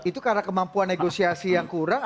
itu karena kemampuan negosiasi yang kurang